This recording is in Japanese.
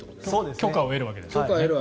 許可を得るわけですね。